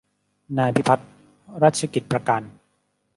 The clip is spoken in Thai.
นายพิพัฒน์ รัชกิจประการ